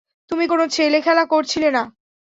তুমি কোনো ছেলেখেলা করছিলে না।